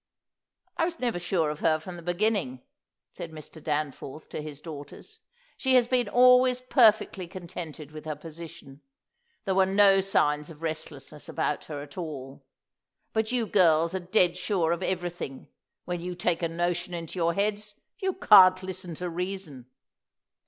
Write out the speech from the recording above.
"I was never sure of her from the beginning," said Mr. Danforth to his daughters. "She has been always perfectly contented with her position. There were no signs of restlessness about her at all. But you girls are dead sure of everything; when you take a notion into your heads you can't listen to reason."